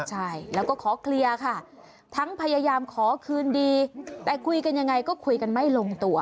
ใช่แล้วก็ขอเคลียร์ค่ะทั้งพยายามขอคืนดีแต่คุยกันยังไงก็คุยกันไม่ลงตัว